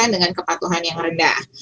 dengan kepatuhan yang rendah